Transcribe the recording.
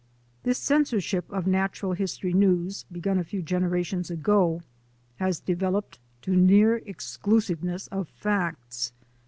This censorship of natural history news, begun a few generations ago, has developed to near exclusiveness of facts.